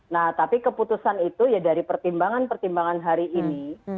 nah tapi keputusan itu ya dari pertimbangan pertimbangan hari ini